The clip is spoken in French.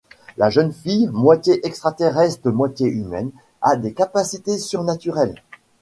La jeune fille, moitié extra-terrestre moitié humaine, a des capacités surnaturelles.